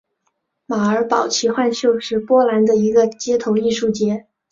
马尔堡奇幻秀是波兰的一个街头艺术节。